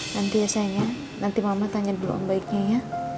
nanti sayang nanti mama tanya doang baiknya ya